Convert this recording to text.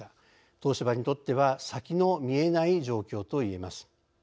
東芝にとっては先の見えない状況といえます。